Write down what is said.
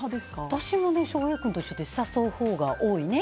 私も翔平君と一緒で誘うほうが多いね。